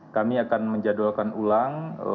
kami akan menjadwalkan ulang